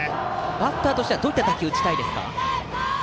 バッターはどういう打球を打ちたいですか。